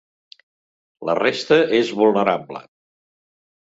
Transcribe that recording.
La resta és vulnerable!